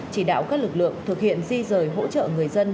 chỉ đạo các lực lượng thực hiện di rời hỗ trợ người dân